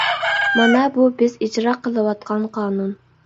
مانا بۇ بىز ئىجرا قىلىۋاتقان قانۇن.